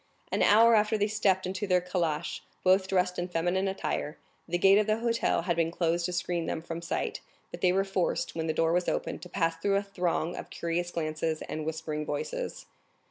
An hour after they stepped into their calash, both dressed in feminine attire. The gate of the hotel had been closed to screen them from sight, but they were forced, when the door was open, to pass through a throng of curious glances and whispering voices.